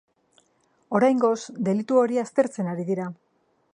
Oraingoz delitu hori aztertzen ari dira.